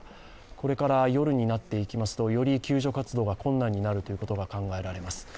これから夜になっていきますとより救助活動が困難になるということが考えられます。